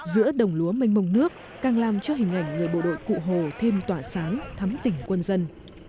giữa đồng lúa mênh mông nước càng làm cho hình ảnh người bộ đội cụ hồ thêm tỏa sáng thắm tỉnh quân dân